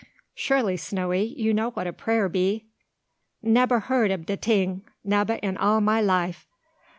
"Surely, Snowy, you know what a prayer be?" "Nebba heerd ob de ting, nebba in all ma life!"